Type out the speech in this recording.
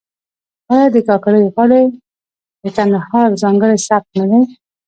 آیا د کاکړۍ غاړې د کندهار ځانګړی سبک نه دی؟